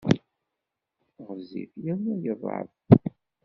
Ɣezzif yerna yeḍɛef.